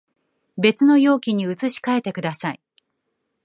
別の容器に移し替えてください